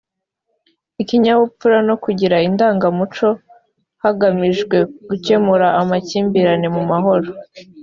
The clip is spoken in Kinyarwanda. ikinyabupfura no kugira indangagaciro hagamijwe gukemura amakimbirane mu mahoro